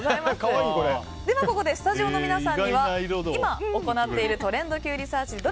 ではここでスタジオの皆さんには今行っているトレンドＱリサーチ